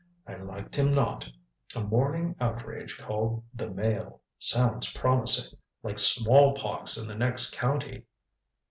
I liked him not. A morning outrage called the Mail. Sounds promising like smallpox in the next county."